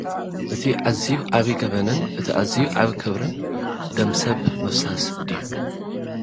እቲ ኣዝዩ ዓቢ ገበንን እቲ ኣዝዩ ዓቢ ክብርን፡ ደም ሰብ ምፍሳስ ድዩ?